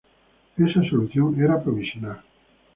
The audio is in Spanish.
Esta solución era provisional.